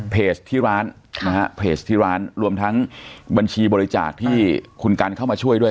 ที่ร้านนะฮะเพจที่ร้านรวมทั้งบัญชีบริจาคที่คุณกันเข้ามาช่วยด้วย